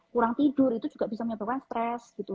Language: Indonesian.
kurang tidur itu juga bisa menyebabkan stress